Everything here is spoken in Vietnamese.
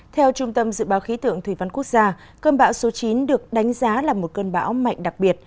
theo trung tâm dự báo khí tượng thủy văn quốc gia cơn bão số chín được đánh giá là một cơn bão mạnh đặc biệt